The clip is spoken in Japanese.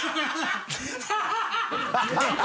ハハハ